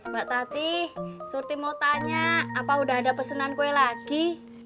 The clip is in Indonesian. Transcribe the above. mbak tati seperti mau tanya apa udah ada pesanan kue lagi